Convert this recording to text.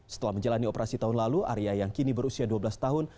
setelah menjalani operasi tahun lalu arya yang kini berusia dua belas tahun